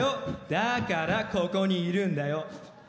だから、ここにいるんだよ。